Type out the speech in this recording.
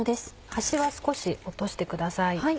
端は少し落としてください。